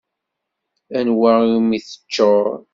Anwa iwimi teččur?